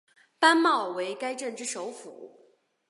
班茂为该镇之首府。